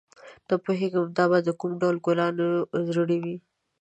نه پوهېږم دا به د کوم ډول ګلانو زړي وي.